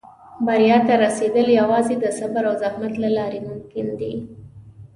• بریا ته رسېدل یوازې د صبر او زحمت له لارې ممکن دي.